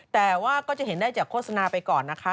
แต่ว่าก็จะเห็นได้จากโฆษณาไปก่อนนะคะ